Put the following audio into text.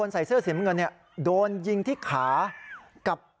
ใส่เสื้อสีน้ำเงินเนี่ยโดนยิงที่ขากับ